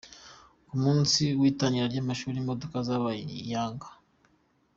Ku munsi w’itangira ry’amashuri imodoka zabaye iyanga